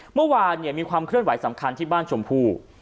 เมื่อวานมีความเคลื่อนไหวสำคัญที่บ้านชมพู่